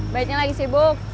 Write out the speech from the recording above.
baiknya lagi sibuk